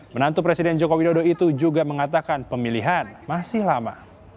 menantu presiden joko widodo itu juga mengatakan pemilihan masih lama